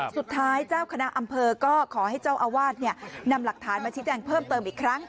เจ้าคณะอำเภอก็ขอให้เจ้าอาวาสนำหลักฐานมาชี้แจงเพิ่มเติมอีกครั้ง